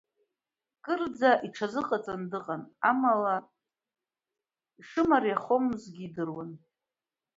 Кырӡа иҽазыҟаҵаны дыҟан, амала ишымариамхозгьы идыруан.